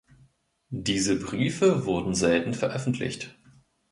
Diese Briefe wurden selten veröffentlicht.